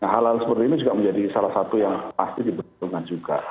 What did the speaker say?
hal hal seperti ini juga menjadi salah satu yang pasti diperlukan juga